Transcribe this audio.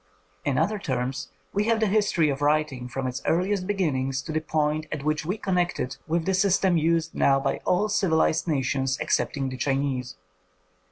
In other terms, we have the history of writing from its earliest beginnings to the point at which we connect it with the system used now by all civilized nations excepting the Chinese.